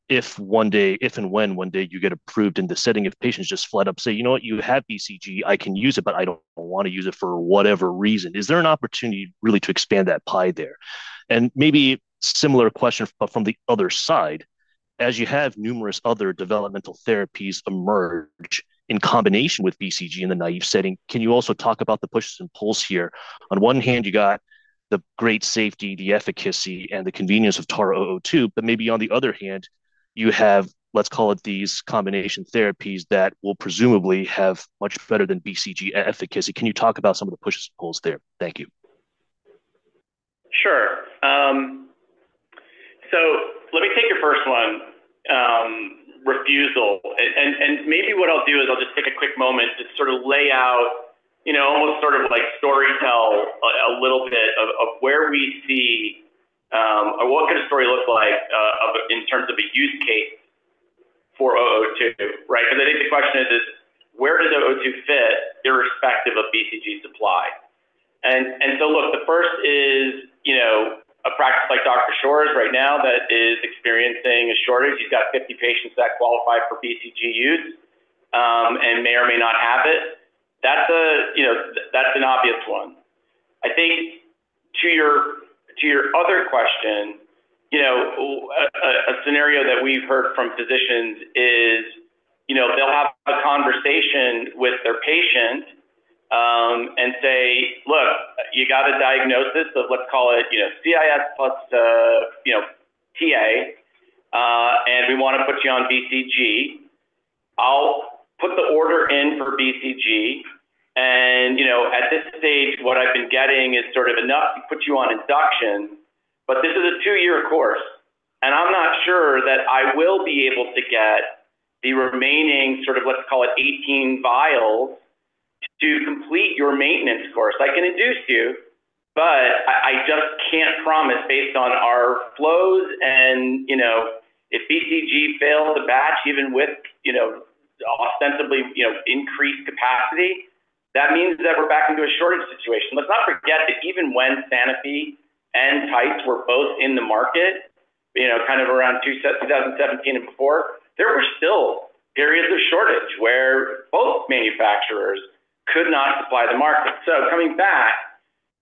[SPEAKER 11] if one day, if and when one day you get approved in the setting of patients just flat out say, "You know what? You have BCG. I can use it, but I don't want to use it for whatever reason." Is there an opportunity really to expand that pie there, and maybe similar question from the other side. As you have numerous other developmental therapies emerge in combination with BCG in the naive setting, can you also talk about the pushes and pulls here? On one hand, you got the great safety, the efficacy, and the convenience of TARA-002, but maybe on the other hand, you have, let's call it these combination therapies that will presumably have much better than BCG efficacy. Can you talk about some of the pushes and pulls there? Thank you.
[SPEAKER 3] Sure. So let me take your first one, refusal. And maybe what I'll do is I'll just take a quick moment to sort of lay out, almost sort of like storytell a little bit of where we see or what could a story look like in terms of a use case for 002, right? Because I think the question is, where does 002 fit irrespective of BCG supply? And so look, the first is a practice like Dr. Shore's right now that is experiencing a shortage. He's got 50 patients that qualify for BCG use and may or may not have it. That's an obvious one. I think to your other question, a scenario that we've heard from physicians is they'll have a conversation with their patient and say, "Look, you got a diagnosis of, let's call it CIS plus Ta, and we want to put you on BCG. I'll put the order in for BCG. And at this stage, what I've been getting is sort of enough to put you on induction, but this is a two-year course. And I'm not sure that I will be able to get the remaining sort of, let's call it 18 vials to complete your maintenance course. I can induce you, but I just can't promise based on our flows and if BCG fails a batch even with ostensibly increased capacity, that means that we're back into a shortage situation. Let's not forget that even when Sanofi and Tice were both in the market, kind of around 2017 and before, there were still periods of shortage where both manufacturers could not supply the market. So coming back,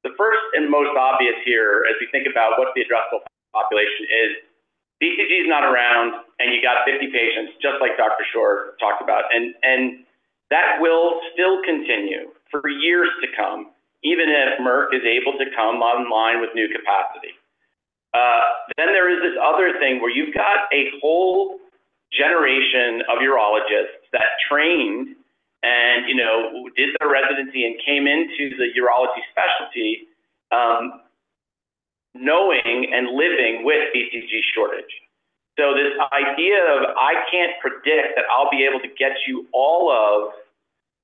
[SPEAKER 3] the first and most obvious here as we think about what the addressable population is, BCG is not around and you got 50 patients just like Dr. Shore talked about, and that will still continue for years to come, even if Merck is able to come online with new capacity, then there is this other thing where you've got a whole generation of urologists that trained and did their residency and came into the urology specialty knowing and living with BCG shortage. So this idea of, "I can't predict that I'll be able to get you all of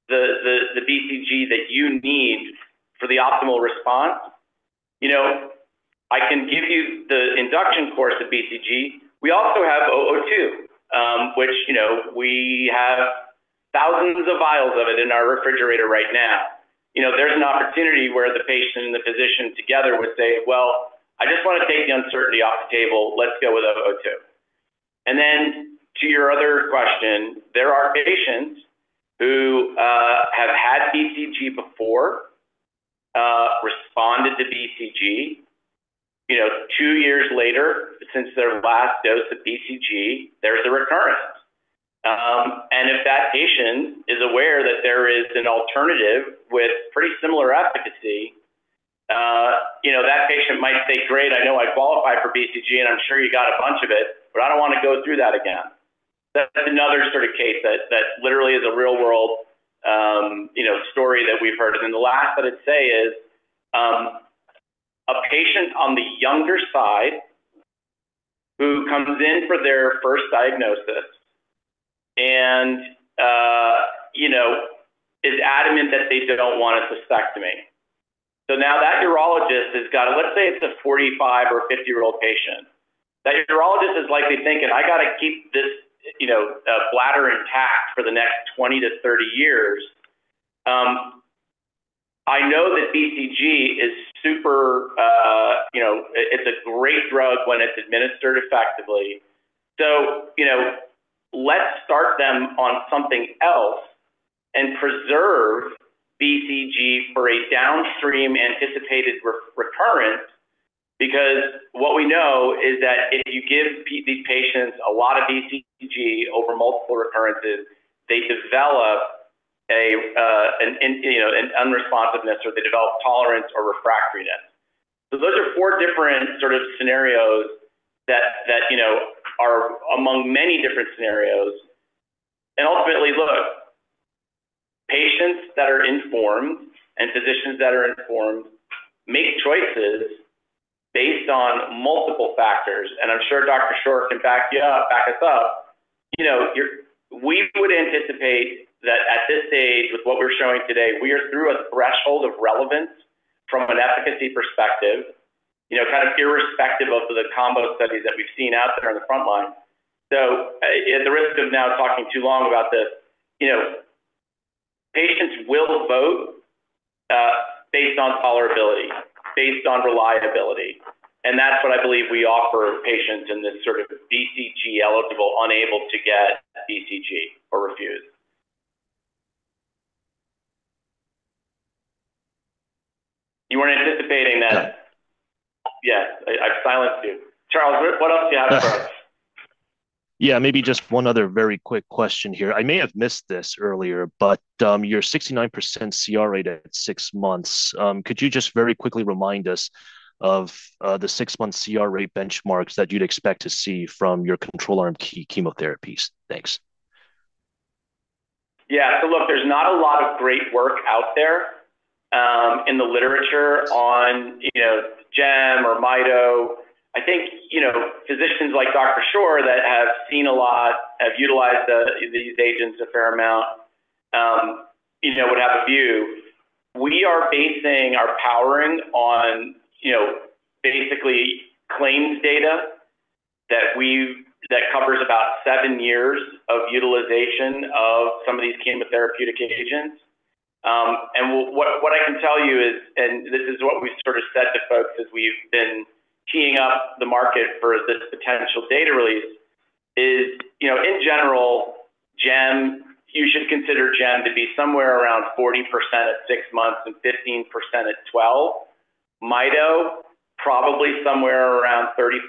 [SPEAKER 3] the BCG that you need for the optimal response. I can give you the induction course of BCG. We also have TARA-002, which we have thousands of vials of it in our refrigerator right now. There's an opportunity where the patient and the physician together would say, "Well, I just want to take the uncertainty off the table. Let's go with 002." And then to your other question, there are patients who have had BCG before, responded to BCG. Two years later since their last dose of BCG, there's a recurrence. And if that patient is aware that there is an alternative with pretty similar efficacy, that patient might say, "Great, I know I qualify for BCG, and I'm sure you got a bunch of it, but I don't want to go through that again." That's another sort of case that literally is a real-world story that we've heard. And then the last I'd say is a patient on the younger side who comes in for their first diagnosis and is adamant that they don't want a cystectomy. So now that urologist has got a, let's say it's a 45- or 50-year-old patient, that urologist is likely thinking, "I got to keep this bladder intact for the next 20-30 years. I know that BCG is super, it's a great drug when it's administered effectively. So let's start them on something else and preserve BCG for a downstream anticipated recurrence because what we know is that if you give these patients a lot of BCG over multiple recurrences, they develop an unresponsiveness or they develop tolerance or refractoriness." So those are four different sort of scenarios that are among many different scenarios. And ultimately, look, patients that are informed and physicians that are informed make choices based on multiple factors. And I'm sure Dr. Shore, in fact, you back us up. We would anticipate that at this stage with what we're showing today, we are through a threshold of relevance from an efficacy perspective, kind of irrespective of the combo studies that we've seen out there on the front line. So at the risk of now talking too long about this, patients will vote based on tolerability, based on reliability, and that's what I believe we offer patients in this sort of BCG eligible, unable to get BCG or refuse. You weren't anticipating that? Yes. I've silenced you. Charles, what else do you have for us?
[SPEAKER 11] Yeah, maybe just one other very quick question here. I may have missed this earlier, but your 69% CR rate at six months, could you just very quickly remind us of the six-month CR rate benchmarks that you'd expect to see from your control arm chemotherapies? Thanks.
[SPEAKER 3] Yeah. So look, there's not a lot of great work out there in the literature on Gem or Mito. I think physicians like Dr. Shore that have seen a lot, have utilized these agents a fair amount, would have a view. We are basing our powering on basically claims data that covers about seven years of utilization of some of these chemotherapeutic agents. And what I can tell you is, and this is what we've sort of said to folks as we've been teeing up the market for this potential data release, is in general, Gem, you should consider Gem to be somewhere around 40% at six months and 15% at 12. Mito, probably somewhere around 35%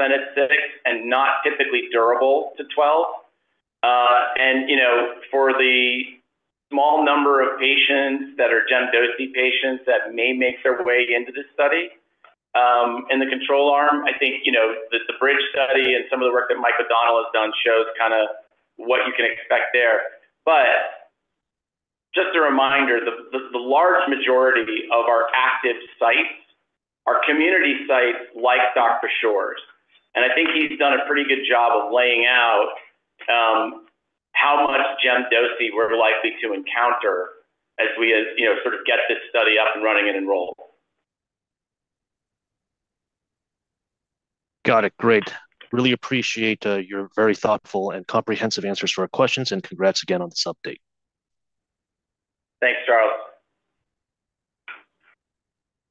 [SPEAKER 3] at six and not typically durable to 12. And for the small number of patients that are Jemdosi patients that may make their way into this study in the control arm, I think the BRIDGE study and some of the work that Michael O'Donnell has done shows kind of what you can expect there. But just a reminder, the large majority of our active sites are community sites like Dr. Shore's. And I think he's done a pretty good job of laying out how much Jemdosi we're likely to encounter as we sort of get this study up and running and enrolled.
[SPEAKER 11] Got it. Great. Really appreciate your very thoughtful and comprehensive answers to our questions, and congrats again on this update.
[SPEAKER 3] Thanks, Charles.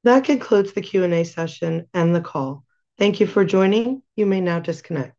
[SPEAKER 1] That concludes the Q&A session and the call. Thank you for joining. You may now disconnect.